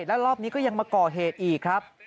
แล้วรอบนี้ก็ยังมาก่อเหตุอีกครับ